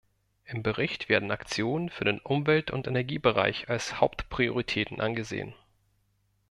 Im Bericht werden Aktionen für den Umwelt- und Energiebereich als Hauptprioritäten angesehen.